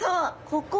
ここ？